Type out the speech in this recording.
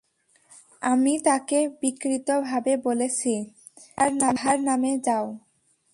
আমি তাকে বিকৃত ভাবে বলেছি, যাহারনামে যাও।